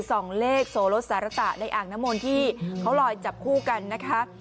สองเลขโสลดสารตะในอ่างน้ำมนที่เขาลอยจับคู่กันนะคะ